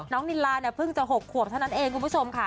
นิลาเนี่ยเพิ่งจะ๖ขวบเท่านั้นเองคุณผู้ชมค่ะ